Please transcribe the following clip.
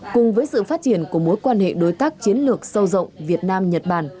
cùng với sự phát triển của mối quan hệ đối tác chiến lược sâu rộng việt nam nhật bản